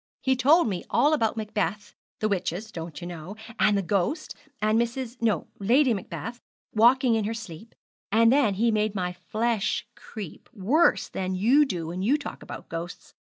He told me all about Macbeth, the witches, don't you know, and the ghost, and Mrs. no, Lady Macbeth walking in her sleep, and then he made my flesh creep worse than you do when you talk about ghosts.